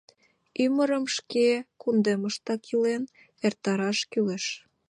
— Ӱмырым шке кундемыштак илен эртараш кӱлеш.